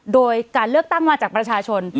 โดยการเลือกตั้งมาจากประชาชน